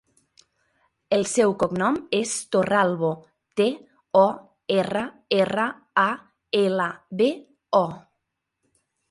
El seu cognom és Torralbo: te, o, erra, erra, a, ela, be, o.